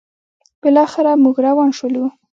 بالاخره موږ روان شولو: